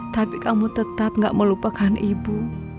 tapi kamu tetap gak melupakan ibu